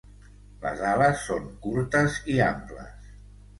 Les ales són curtes i amples.